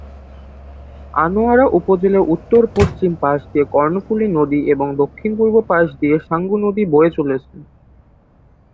আনোয়ারা উপজেলার উত্তর-পশ্চিম পাশ দিয়ে কর্ণফুলী নদী এবং দক্ষিণ-পূর্ব পাশ দিয়ে সাঙ্গু নদী বয়ে চলেছে।